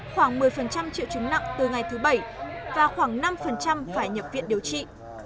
khoảng một mươi triệu chứng nặng từ ngày thứ bảy và khoảng năm phải nhập viện điều trị